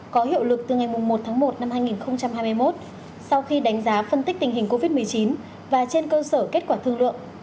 có hiệu lực từ ngày một tháng một năm hai nghìn hai mươi một sau khi đánh giá phân tích tình hình covid một mươi chín và trên cơ sở kết quả thương lượng